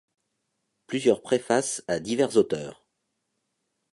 Plusieurs préfaces à divers auteurs.